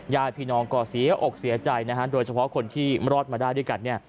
ญาติพี่น้องก็เสียอกเสียใจนะฮะโดยเฉพาะคนที่รอดมาได้ด้วยกันเนี่ย